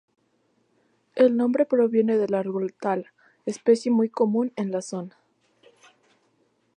El nombre proviene del árbol tala, especie muy común en la zona.